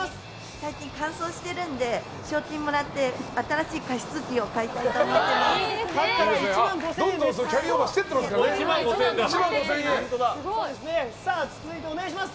最近、乾燥しているので賞金もらって新しい加湿器を買いたいと思っています。